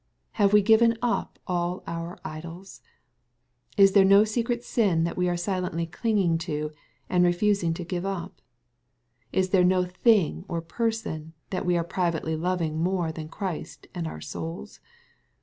Have we given up all our idols ? Is there no secret sin that we are silently clinging to, and refusing to give up ? Is there no thing or person that we are privately loving more than Christ and our souls